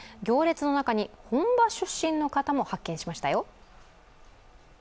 行列の中に本場出身の方も発見しましたよ。